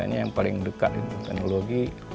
ini yang paling dekat itu teknologi